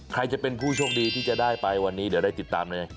ใครจะเป็นผู้โชคดีที่จะได้ไปวันนี้เดี๋ยวได้ติดตามเลย